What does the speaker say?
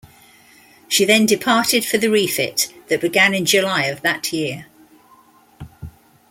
She then departed for the refit that began in July of that year.